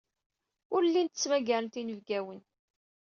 Ur llint ttmagarent inebgawen.